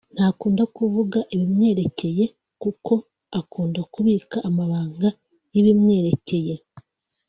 ntakunda kuvuga ibimwerekeye kuko akunda kubika amabanga y’ibimwerekeye